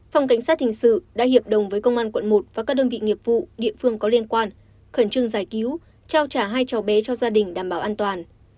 phòng cảnh sát hình sự đã hiệp đồng với công an quận một và các đơn vị nghiệp vụ địa phương có liên quan khẩn trương giải cứu trao trả hai cháu bé cho gia đình đảm bảo an toàn